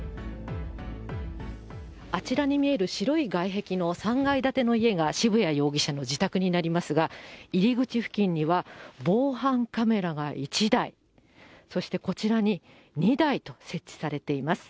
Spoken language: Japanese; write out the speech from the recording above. あちらに見える白い外壁の３階建ての家が渋谷容疑者の自宅になりますが、入り口付近には、防犯カメラが１台、そしてこちらに２台と、設置されています。